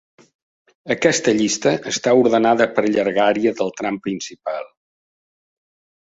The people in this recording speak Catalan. Aquesta llista està ordenada per llargària del tram principal.